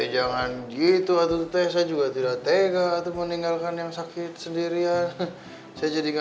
jangan gitu atau teh saya juga tidak tega atau meninggalkan yang sakit sendirian saya jadi